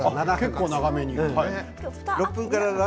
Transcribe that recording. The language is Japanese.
結構、長めに。